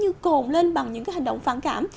như cồn lên bằng những cái hành động phản cảm